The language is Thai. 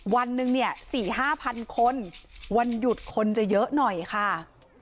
วันหนึ่งเนี่ย๔๕๐๐คนวันหยุดคนจะเยอะหน่อยค่ะ